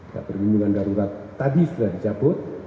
nah perlindungan darurat tadi sudah dicabut